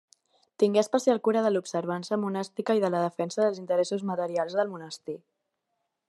Tingué especial cura de l'observança monàstica i de la defensa dels interessos materials del monestir.